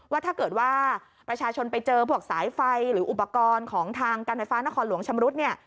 ว่าถ้าเกิดว่าประชาชนไปเจอพวกสายไฟหรืออุปกรณ์ของทางการไฟฟ้านครหลวงชำรุดเนี่ย